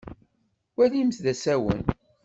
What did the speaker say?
Walimt d asawen.